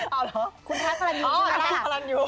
อ๋อเหรอคุณแท๊กพระรันยูใช่ไหมคะอ๋อแท๊กพระรันยู